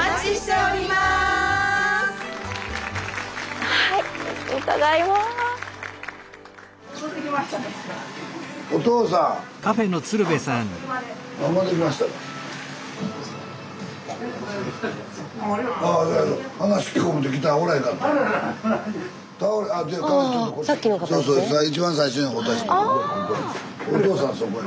おとうさんそこへ。